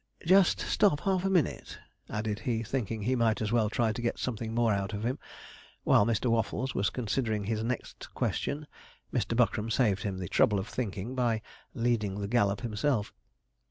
Just stop half a minute,' added he, thinking he might as well try and get something more out of him. While Mr. Waffles was considering his next question, Mr. Buckram saved him the trouble of thinking by 'leading the gallop' himself.